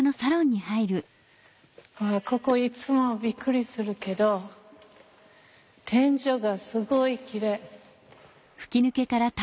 ここいつもびっくりするけど天井がすごいきれい。